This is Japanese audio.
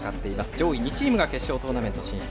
上位１チームが決勝トーナメント進出。